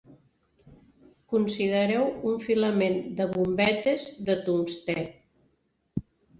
Considereu un filament de bombetes de tungstè.